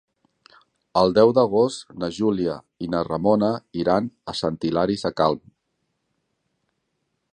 El deu d'agost na Júlia i na Ramona iran a Sant Hilari Sacalm.